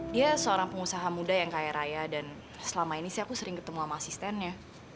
dia seorang pengusaha muda yang kaya raya dan selama ini sih aku sering ketemu sama asistennya